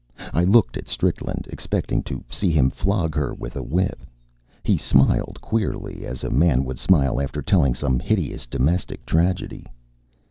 I looked at Strickland, expecting to see him flog her with a whip. He smiled queerly, as a man would smile after telling some hideous domestic tragedy.